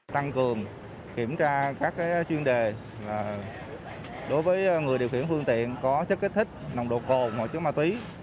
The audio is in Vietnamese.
tăng cường kiểm tra các chuyên đề đối với người điều khiển phương tiện có chất kích thích nồng độ cồn và chất ma túy